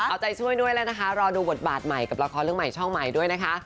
เอาใจช่วยด้วยแล้วนะคะรอดูบทบาทใหม่กับละครเรื่องใหม่ช่องใหม่ด้วยนะคะ